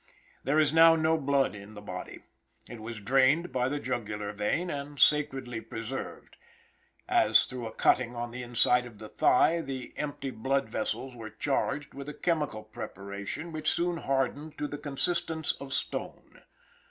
There is now no blood in the body; it was drained by the jugular vein and sacredly preserved, and through a cutting on the inside of the thigh the empty blood vessels were charged with a chemical preparation which soon hardened to the consistence of stone.